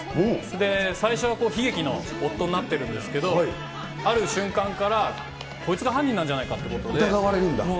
で、最初は悲劇の夫になってるんですけど、ある瞬間から、こいつが犯人なんじゃないか？ってことで。